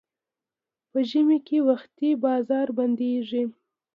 په ژمي کې وختي بازار بندېږي.